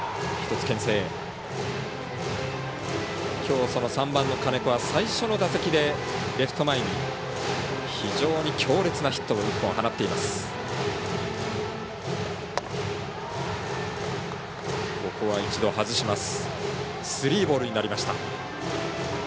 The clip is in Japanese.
きょう、その３番の金子は最初の打席でレフト前に非常に強烈なヒットを１本、放っています。